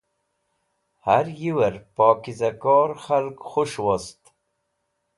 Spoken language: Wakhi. Haryiewer Pokizakor Khalg Khus̃h woat